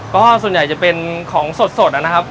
ก็ส่วนใหญ่จะเป็นของสดนะครับ